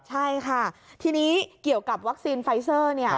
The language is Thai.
ใช่ค่ะทีนี้เกี่ยวกับวัคซีนไฟเซอร์เนี่ย